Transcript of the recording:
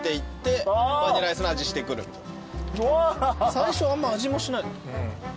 最初あんま味もしない。